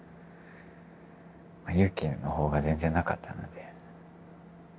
勇気の方が全然なかったので。